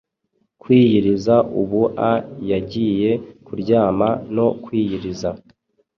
Kwiyiriza ubua yagiye kuryama, no kwiyiriza